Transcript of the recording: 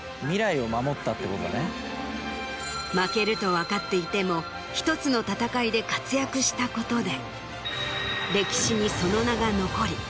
負けると分かっていても１つの戦いで活躍したことで。